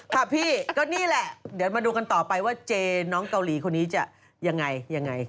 ค่ะพี่ก็นี่แหละเดี๋ยวมาดูกันต่อไปว่าเจน้องเกาหลีคนนี้จะยังไงยังไง